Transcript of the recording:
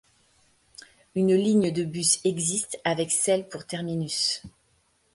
Une ligne de bus existe avec Celle pour terminus.